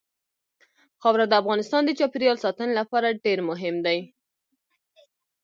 خاوره د افغانستان د چاپیریال ساتنې لپاره ډېر مهم دي.